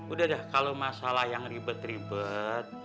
udah deh kalau masalah yang ribet ribet